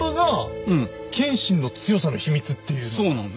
そうなの。